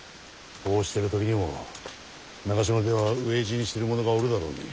こうしてる時にも長篠では飢え死にしてる者がおるだろうに。